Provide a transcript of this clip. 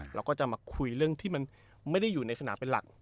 เราก็จะมาคุยเรื่องที่มันไม่ได้อยู่ในสนามเป็นหลัก